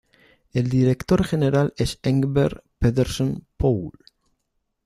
El director general es Engberg-Pedersen Poul.